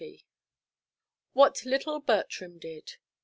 WHAT LITTLE BERTRAM DID.